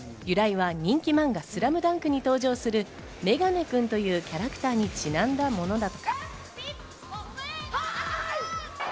由来は人気漫画『スラムダンク』に登場するメガネ君というキャラクターにちなんだもの。